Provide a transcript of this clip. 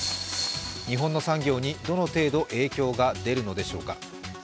日本の産業にどの程度影響が出るのでしょうか？